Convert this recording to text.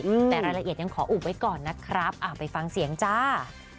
อืมแต่รายละเอียดยังขออุบไว้ก่อนนะครับอ่าไปฟังเสียงจ้า